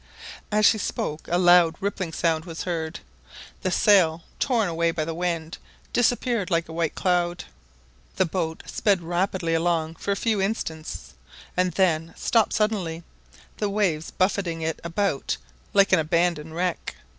As she spoke a loud rippling sound was heard. The sail, torn away by the wind, disappeared like a white cloud. The boat sped rapidly along for a few instants, and then stopped suddenly, the waves buffeting it about like an abandoned wreck.